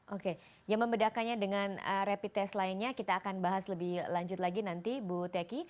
oke yang membedakannya dengan rapid test lainnya kita akan bahas lebih lanjut lagi nanti bu teki